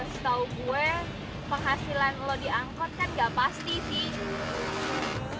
setau gue penghasilan lo diangkot kan enggak pasti sih